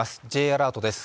Ｊアラートです。